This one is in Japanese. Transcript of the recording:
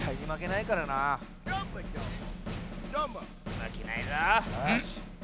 まけないぞ！